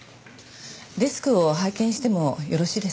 デスクを拝見してもよろしいですか？